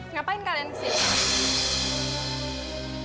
ngapain kalian kesini